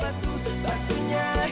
waktunya hilang gajahnya datang